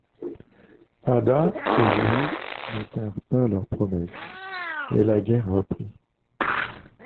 Ada et Louis ne tinrent pas leur promesse et la guerre reprit.